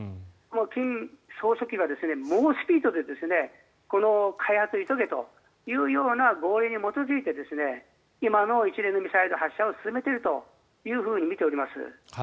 金総書記は猛スピードでこの開発を急げというような号令に基づいて今の一連のミサイル発射を進めているというふうに見ております。